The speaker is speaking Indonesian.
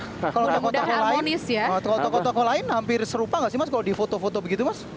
kalau menggunakan kota kota lain hampir serupa gak sih mas kalau di foto foto begitu mas